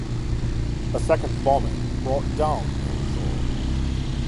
A second bombing brought down Mayor Shaw.